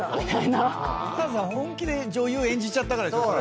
お母さん本気で女優演じちゃったからでしょ。